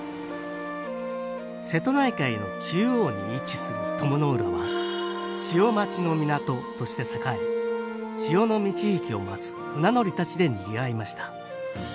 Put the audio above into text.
瀬戸内海の中央に位置する鞆の浦は潮待ちの港として栄え潮の満ち引きを待つ船乗りたちでにぎわいました。